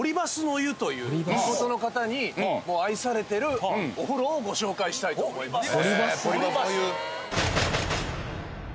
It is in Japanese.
地元の方に愛されてるお風呂をご紹介したいと思います。